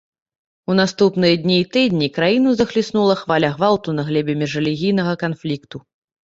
У наступныя дні і тыдні краіну захліснула хваля гвалту на глебе міжрэлігійнага канфлікту.